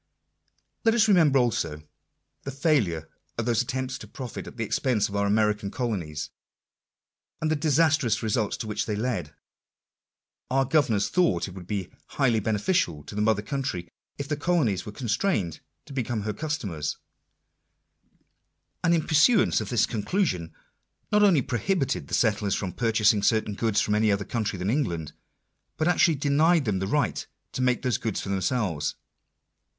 Let us remember also, the failure of those attempts to profit at the expense of our American colonies ; and the disastrous results to which they led. Our governors thought it would be highly beneficial to the mother country, if the colonies were Digitized by VjOOQIC \ N INTRODUCTION. 47 constrained to become her customers; and in pursuance of this conclusion, not only prohibited the settlers from purchasing certain goods from any other country than England, but ac tually denied them the right to make those goods for themselves